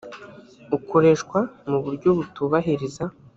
ukoreshwa mu buryo butubahiriza